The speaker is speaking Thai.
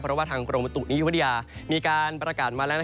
เพราะว่าทางกรมตุนิวดิยามีการประกาศมาแล้วนะครับ